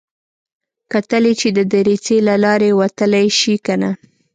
کتل يې چې د دريڅې له لارې وتلی شي که نه.